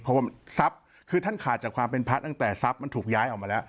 เพราะว่าทรัพย์คือท่านขาดจากความเป็นพระตั้งแต่ทรัพย์มันถูกย้ายออกมาแล้ว